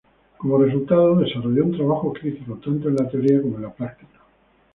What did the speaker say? Como resultado, desarrolló un trabajo crítico, tanto en la teoría como en la práctica.